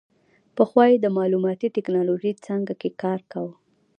پخوا یې د معلوماتي ټیکنالوژۍ څانګه کې کار کاوه.